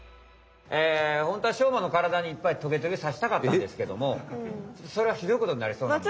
ホントはしょうまのからだにいっぱいトゲトゲさしたかったんですけどもそれはひどいことになりそうなので。